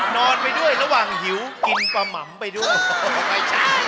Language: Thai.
นอนไปด้วยระหว่างหิวกินปลาหม่ำไปด้วย